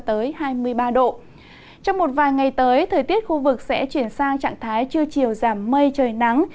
trong một vài ngày tới thời tiết khu vực sẽ chuyển sang trạng thái trưa chiều giảm mây trời nắng